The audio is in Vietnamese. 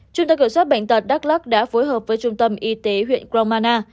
trung tâm kiểm soát bệnh tật đắk lắc đã phối hợp với trung tâm y tế huyện crong anna